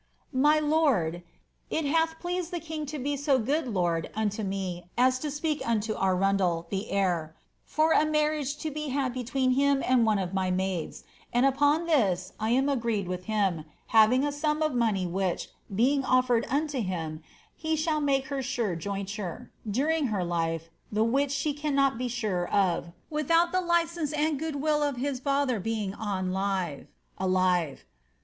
It hath pleased the king to be to good lord unto me as to speak unto Arun del* the heir, ibr a marriage to be had between him and one of my maids, and upon this I am agreed with him, having a sum of money which, being offered unto him, he shall make her sure jointure, during her life, the which she cannot be fare of, without the licence and goodwill of his father being on live (alive).